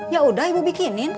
ya udah ibu bikinin